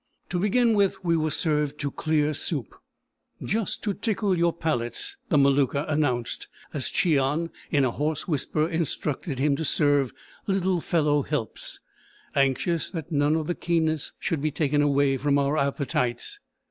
To begin with, we were served to clear soup—"just to tickle your palates," the Maluka announced, as Cheon in a hoarse whisper instructed him to serve "little fellow helps" anxious that none of the keenness should be taken from our appetites.